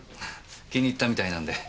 気に入ったみたいなんで。